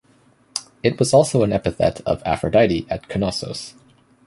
It was also an epithet of Aphrodite at Knossos.